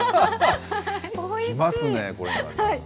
きますね、これは。